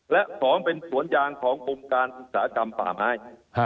และ๒เป็นสวนยางขององค์การอุกสาหกรรมฝาบาย